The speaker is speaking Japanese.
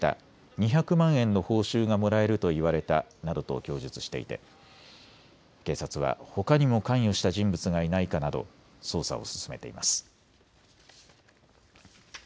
２００万円の報酬がもらえると言われたなどと供述していて警察はほかにも関与した人物がいないかなど捜査を進めています。